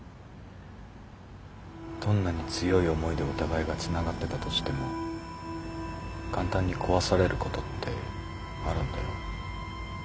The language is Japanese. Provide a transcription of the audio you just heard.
どんなに強い思いでお互いがつながってたとしても簡単に壊されることってあるんだよ。